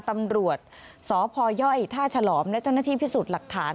ตำรวจสพยท่าฉลอมและเจ้าหน้าที่พิสูจน์หลักฐาน